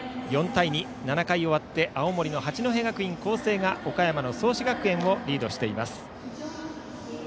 ４対２、７回終わって青森の八戸学院光星が岡山の創志学園をリードしています。